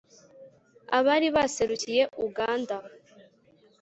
abari baserukiye uganda.